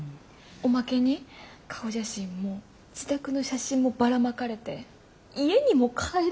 おまけに顔写真も自宅の写真もばらまかれて家にも帰れないって。